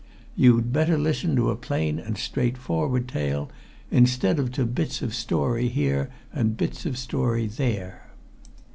You'd better listen to a plain and straightforward tale, instead of to bits of a story here and bits of a story there."